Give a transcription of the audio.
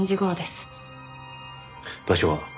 場所は？